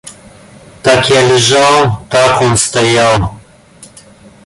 Так я лежал, так он стоял.